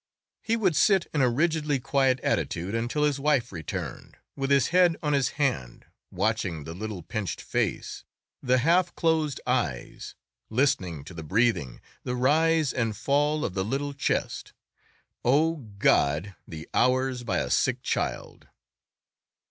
He would sit in a rigidly quiet attitude until his wife returned, with his head on his hand, watching the little pinched face, the half closed eyes, listening to the breathing, the rise and fall of the little chest. Oh, God, the hours by a sick child!